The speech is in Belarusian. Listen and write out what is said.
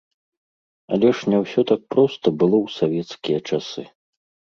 Але ж не ўсё так проста было ў савецкія часы.